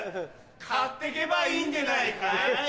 買ってけばいいんでないかい？